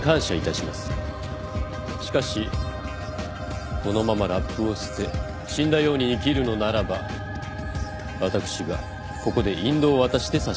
しかしこのままラップを捨て死んだように生きるのならば私がここで引導を渡して差し上げましょう。